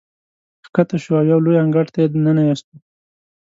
ښکته شوو او یو لوی انګړ ته یې ننه ایستو.